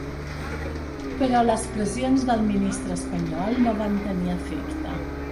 Però les pressions del ministre espanyol no van tenir efecte.